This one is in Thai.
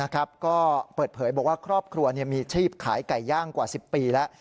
ก็เปิดเผยบอกว่าครอบครัวมีชีพขายไก่ย่างกว่า๑๐ปีแล้ว